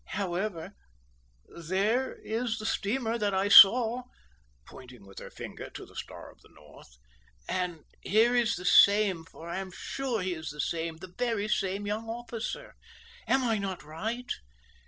However, there is the same steamer that I saw (pointing with her finger to the Star of the North), and here is the same, for I am sure he is the same, the very same young officer. Am I not right?"